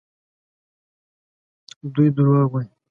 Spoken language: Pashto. دوی دروغ وايي.